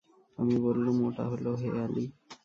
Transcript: আমি বললুম, ওটা হল হেঁয়ালি।